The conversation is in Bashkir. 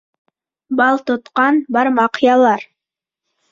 Бал тотҡан бармаҡ ялар